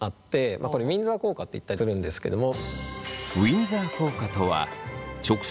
これウィンザー効果って言ったりするんですけども。